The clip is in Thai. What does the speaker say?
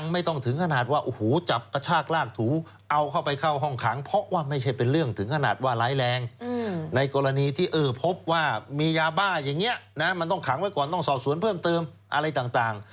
มันต้องขังไว้ก่อนต้องสอบศูนย์เพิ่มเติมอะไรต่าง